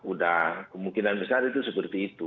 udah kemungkinan besar itu seperti itu